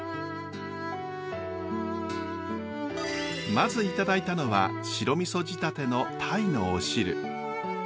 まずいただいたのは白みそ仕立ての鯛のお汁。